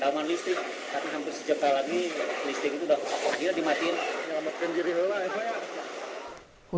tapi hampir sejak kali lagi listing itu sudah dimatikan